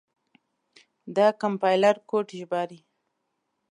دا کمپایلر کوډ ژباړي.